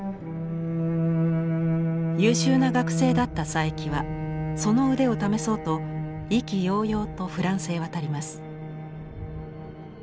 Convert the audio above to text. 優秀な学生だった佐伯はその腕を試そうと意気揚々とフランスへ渡ります。